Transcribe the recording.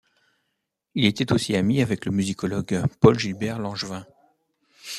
Il était aussi ami avec le musicologue Paul-Gilbert Langevin.